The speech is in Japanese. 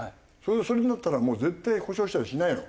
それになったらもう絶対故障したりしないの。